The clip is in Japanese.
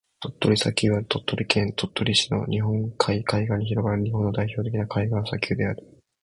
鳥取砂丘は、鳥取県鳥取市の日本海海岸に広がる日本の代表的な海岸砂丘である。